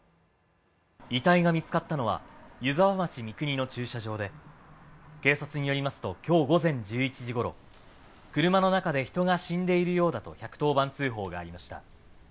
遺体が見つかったのは湯沢町三国の駐車場で警察によりますと今日午前１１時ごろ、車の中で人が死んでいるようだと１１０番通報がありました。